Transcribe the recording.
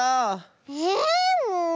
えっもう。